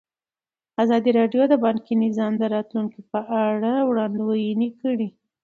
ازادي راډیو د بانکي نظام د راتلونکې په اړه وړاندوینې کړې.